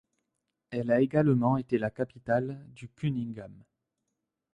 Elle a également été la capitale du Cunninghame.